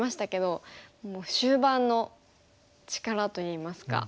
終盤の力といいますか。